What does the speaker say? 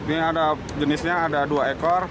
ini ada jenisnya ada dua ekor